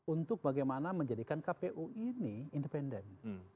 untuk bagaimana menjadikan kpu ini independen